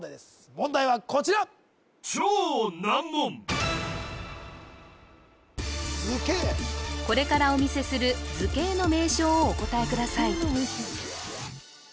問題はこちらこれからお見せする図形の名称をお答えください